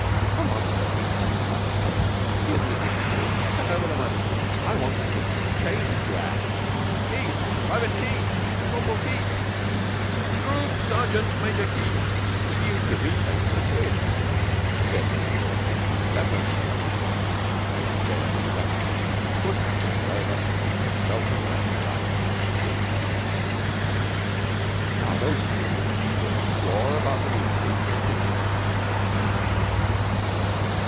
"Oh, come on, Stalky," cried McTurk. "He isn't listenin' to you. Chuck over the money." "I want the quid changed, you ass. Keyte! Private Keyte! Corporal Keyte! Terroop Sergeant Major Keyte, will you give me change for a quid?" "Yes yes, of course. Seven an' six." He stared abstractedly, pushed the silver over, and melted away into the darkness of the back room. "Now those two'll jaw about the Mutiny till tea time," said Beetle.